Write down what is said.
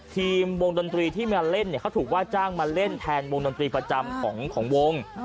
วงดนตรีที่มาเล่นเขาถูกว่าจ้างมาเล่นแทนวงดนตรีประจำของวง